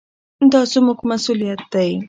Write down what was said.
دا زموږ مسؤلیت دی.